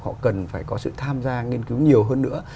họ cần phải có sự tham gia nghiên cứu nhiều hơn nữa